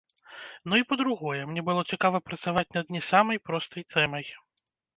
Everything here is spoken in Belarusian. Ну, і па-другое, мне было цікава працаваць над не самай простай тэмай.